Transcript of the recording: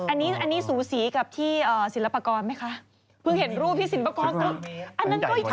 อันนี้สูสีกับที่สินพากรไหมคะ